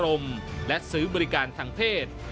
ทั้งอารมณ์และซื้อบริการทางเพศ